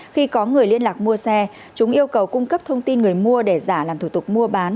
khi có người liên lạc mua xe chúng yêu cầu cung cấp thông tin người mua để giả làm thủ tục mua bán